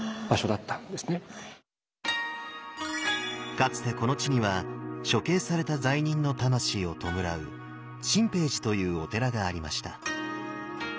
かつてこの地には処刑された罪人の魂を弔う心平寺というお寺がありました。